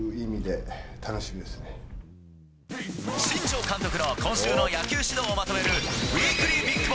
新庄監督の今週の野球指導をまとめるウィークリー